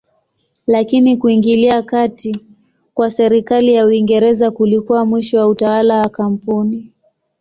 Lakini kuingilia kati kwa serikali ya Uingereza kulikuwa mwisho wa utawala wa kampuni.